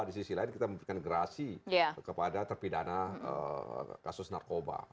di sisi lain kita memberikan gerasi kepada terpidana kasus narkoba